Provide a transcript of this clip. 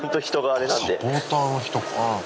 あサポーターの人か。